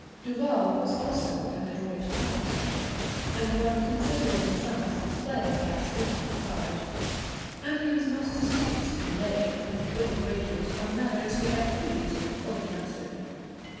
Duval was also an adroit card sharper, and won considerable sums at play by "slipping a card;" and he was most astute in laying and winning wagers on matters he had previously fully mastered.